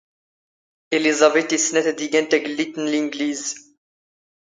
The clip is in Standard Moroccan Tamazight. ⵉⵍⵉⵥⴰⴱⵉⵜ ⵜⵉⵙ ⵙⵏⴰⵜ ⴰⴷ ⵉⴳⴰⵏ ⵜⴰⴳⵍⵍⵉⴷⵜ ⵏ ⵍⵉⵏⴳⵍⵉⵣ.